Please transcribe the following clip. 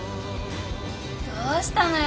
どうしたのよ